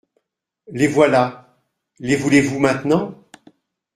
Les voilà ; les voulez-vous maintenant ?